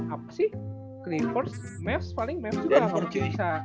apa sih creepers mavs paling mavs juga ga bisa